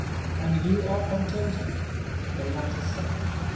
"And you are Puntojee!" the latter said.